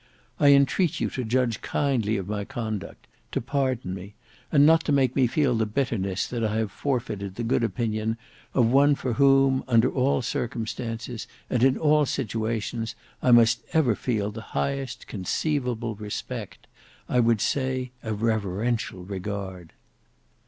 I entreat you to judge kindly of my conduct; to pardon me: and not to make me feel the bitterness that I have forfeited the good opinion of one for whom, under all circumstances and in all situations, I must ever feel the highest conceivable respect,—I would say a reverential regard."